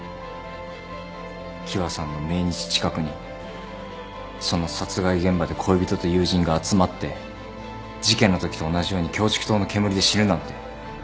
喜和さんの命日近くにその殺害現場で恋人と友人が集まって事件のときと同じようにキョウチクトウの煙で死ぬなんて。